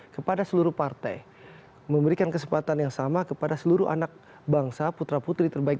kepada seluruh partai memberikan kesempatan yang sama kepada seluruh anak bangsa putra putri terbaik